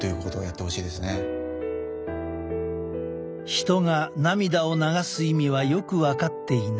ヒトが涙を流す意味はよく分かっていない。